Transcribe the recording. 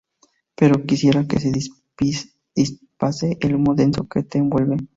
Pero quisiera que se disipase el humo denso que te envuelve.